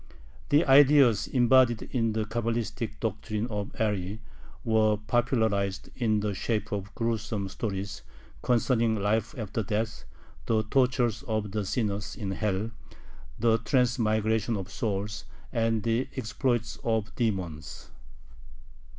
The ideas embodied in the Cabalistic doctrine of Ari were popularized in the shape of "gruesome stories" concerning life after death, the tortures of the sinners in hell, the transmigration of souls, and the exploits of demons.